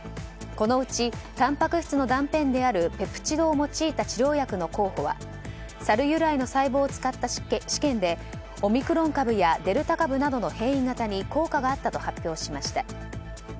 このうちたんぱく質の断片であるペプチドを用いた治療薬の候補はサル由来の細胞を使った試験でオミクロン株やデルタ株などの変異型に効果があったと発表しました。